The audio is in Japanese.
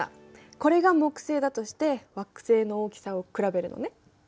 これが木星だとして惑星の大きさを比べるのね？